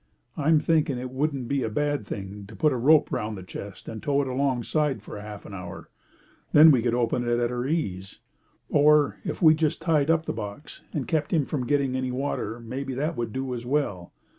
I'm thinking it wouldn't be a bad thing to put a rope round the chest and tow it alongside for half an hour; then we could open it at our ease. Or if we just tied the box up and kept him from getting any water maybe that would do as well.